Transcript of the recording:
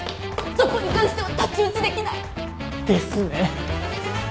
そこに関しては太刀打ちできない。ですね。